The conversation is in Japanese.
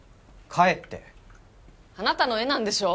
帰ってあなたの絵なんでしょ？